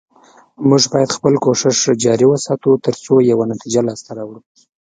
موږ باید خپل کوشش جاري وساتو، تر څو یوه نتیجه لاسته راوړو